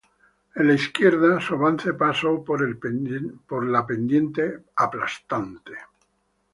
En la izquierda, su avance pasó por la pendiente aplastante.